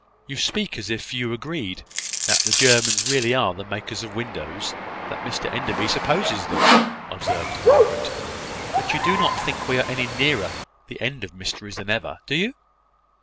'" "You speak as if you agreed that the Germans really are the makers of windows that Mr Enderby supposes them," observed Margaret; "but you do not think we are any nearer the end of mysteries than ever, do you?"